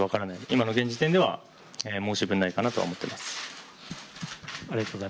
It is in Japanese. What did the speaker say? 今の現時点では申し分ないかなと思っています。